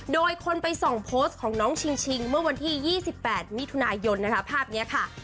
โดยคนไปส่องโพสต์ของน้องชิงเมื่อวันที่๒๘มิถุนายนนะคะภาพนี้ค่ะ